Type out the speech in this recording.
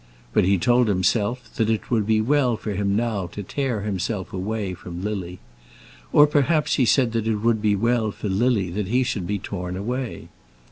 But he told himself that it would be well for him now to tear himself away from Lily; or perhaps he said that it would be well for Lily that he should be torn away.